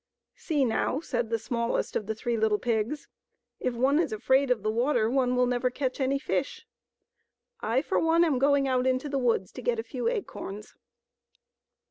" See, now," said the smallest of the three little pigs, " if one is afraid of the water, one will never catch any fish. I, for one, am going out into the woods to get a few acorns."